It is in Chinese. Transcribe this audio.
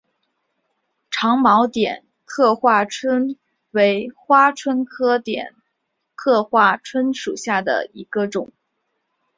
长毛点刻花蝽为花蝽科点刻花椿属下的一个种。